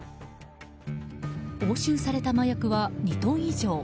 押収された麻薬は２トン以上。